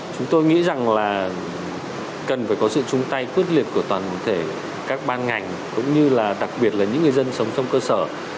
chúng tôi nghĩ rằng là cần phải có sự chung tay quyết liệt của toàn thể các ban ngành cũng như là đặc biệt là những người dân sống trong cơ sở